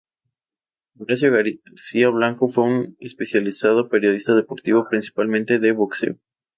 Horacio García Blanco fue un especializado periodista deportivo principalmente de boxeo.